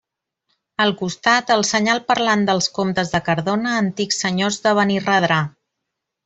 Al costat, el senyal parlant dels comtes de Cardona, antics senyors de Benirredrà.